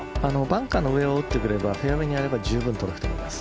バンカーの上を打ってくればフェアウェーに打てば十分届くと思います。